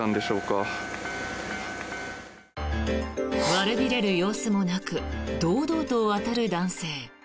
悪びれる様子もなく堂々と渡る男性。